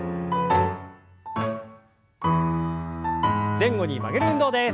前後に曲げる運動です。